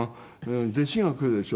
弟子が来るでしょ